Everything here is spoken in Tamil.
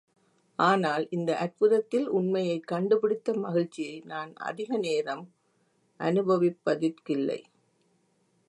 ஆனால் இந்த அற்புதத்தில் உண்மையைக் கண்டுபிடித்த மகிழ்ச்சியை நான் அதிக நேரம் அனுபவிப்பதிற்கில்லை.